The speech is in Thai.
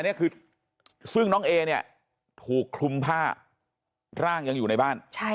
นี่คือซึ่งน้องเอเนี่ยถูกคลุมผ้าร่างยังอยู่ในบ้าน